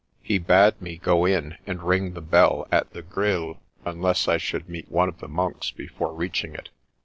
He bade me go in, and ring the bell at the grille, unless I should meet one of the monks before reaching it.